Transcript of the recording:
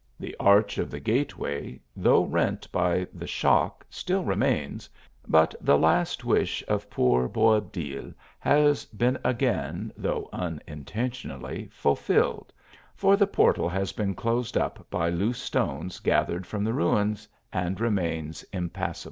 The arch of the gateway, though rent by the shock, still remains ; but the last wish of poor Boabdil has been again, though unintentionally, ful filled, for the portal has been closed up by loose stones gathered from the ruins, and remains im passable.